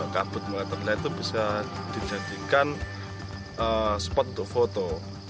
kabupaten trenggalek itu bisa dijadikan spot untuk foto